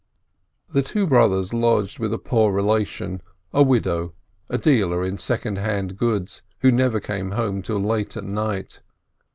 The two brothers lodged with a poor relation, a widow, a dealer in second hand goods, who never came home till late at night.